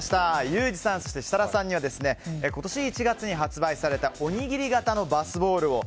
ユージさん、そして設楽さんには今年１月に発売されたおにぎり形のバスボールを。